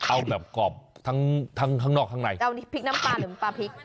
เอาแบบกรอบทั้งทั้งข้างนอกข้างในจะเอาพริกน้ำปลาหรือปลาพริก